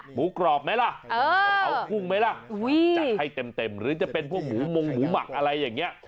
กรอบไหมล่ะกะเพรากุ้งไหมล่ะจัดให้เต็มหรือจะเป็นพวกหมูมงหมูหมักอะไรอย่างนี้